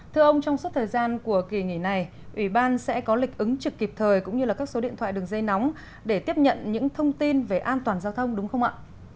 thưa ông trong suốt thời gian của kỳ nghỉ này ủy ban sẽ có lịch ứng trực kịp thời cũng như các số điện thoại đường dây nóng để tiếp nhận những thông tin về an toàn giao thông đúng không ạ